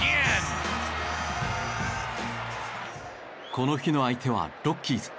この日の相手はロッキーズ。